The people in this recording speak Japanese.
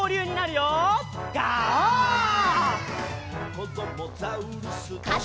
「こどもザウルス